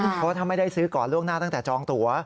เพราะว่าถ้าไม่ได้ซื้อก่อนล่วงหน้าตั้งแต่จองตัว